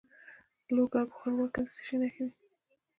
د لوګر په خروار کې د څه شي نښې دي؟